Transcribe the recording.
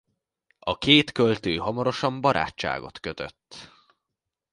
A két költő hamarosan barátságot kötött.